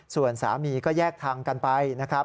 ส่วนสามีก็แยกทางกันไปนะครับ